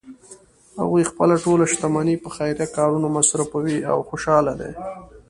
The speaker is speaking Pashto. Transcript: هغوی خپله ټول شتمني په خیریه کارونو مصرفوی او خوشحاله دي